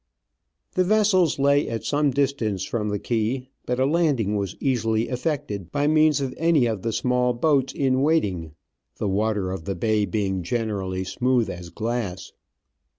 The vessels lay at some distance from the quay, but a landing was easily effected by means of any of the small boats in waiting, the water of the bay being generally as smooth as glass.